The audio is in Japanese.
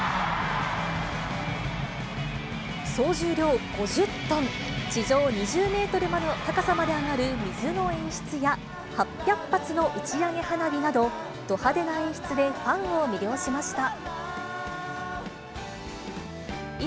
総重量５０トン、地上２０メートルの高さまで上がる水の演出や、８００発の打ち上げ花火など、ど派手な演出でファンを魅了しました。